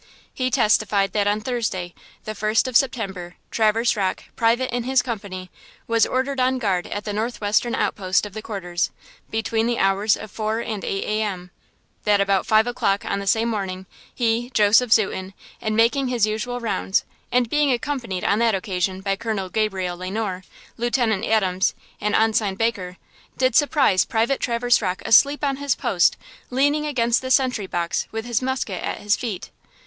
He testified that on Thursday, the first of September, Traverse Rocke, private in his company, was ordered on guard at the northwestern out post of the quarters, between the hours of four and eight a. m. That about five o'clock on the same morning, he, Joseph Zuten, in making his usual rounds, and being accompanied on that occasion by Colonel Gabriel Le Noir, Lieutenant Adams and Ensign Baker, did surprise Private Traverse Rocke asleep on his post leaning against the sentry box with his musket at his feet.